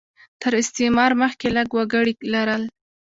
تر استعمار مخکې یې لږ وګړي لرل.